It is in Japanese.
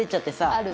ある。